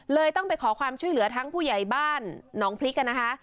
เลยต้องไปขอความช่วยเหลือทั้งผู้ใหญ่บ้านหนองพริกนะคะ